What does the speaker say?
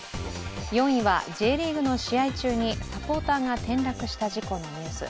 ４位はＪリーグの試合中にサポーターが転落した事故のニュース。